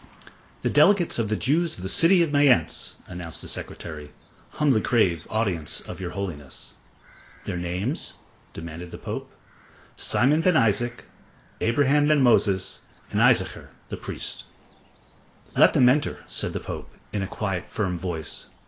"The delegates of the Jews of the city of Mayence," announced a secretary, "humbly crave audience of Your Holiness." "Their names?" demanded the Pope. "Simon ben Isaac, Abraham ben Moses, and Issachar, the priest." "Let them enter," said the Pope, in a quiet, firm voice.